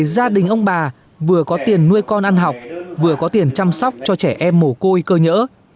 gia đình ông bà vừa có tiền nuôi con ăn học vừa có tiền chăm sóc cho trẻ em mồ côi cơ nhỡ